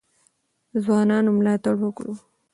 د ځوانانو ملاتړ وکړو.